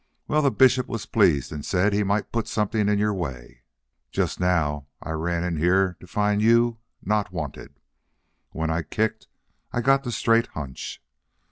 Well, the bishop was pleased and said he might put something in your way. Just now I ran in here to find you not wanted. When I kicked I got the straight hunch.